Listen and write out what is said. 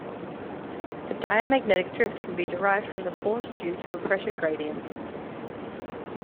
The diamagnetic drift can be derived from the force due to a pressure gradient.